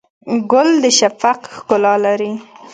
ګل د شفق ښکلا لري.